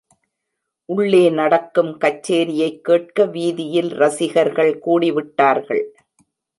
உள்ளே நடக்கும் கச்சேரியைக் கேட்க வீதியில் ரசிகர்கள் கூடிவிட்டார்கள்.